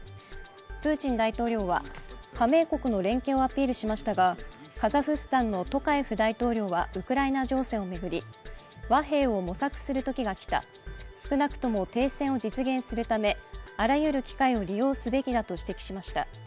プーチン大統領は加盟国の連携をアピールしましたが、カザフスタンのトカエフ大統領はウクライナ情勢を巡り、和平を模索するときが来た、少なくとも停戦を実現するためあらゆる機会を利用すべきだと指摘しました。